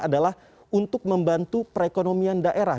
adalah untuk membantu perekonomian daerah